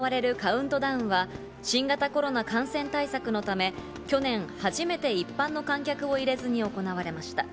タイムズスクエアで行われるカウントダウンは、新型コロナ感染対策のため、去年初めて一般の観客を入れずに行われました。